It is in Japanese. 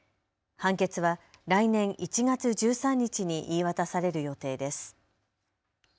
判決は来年１月１３日に言い渡される予定です。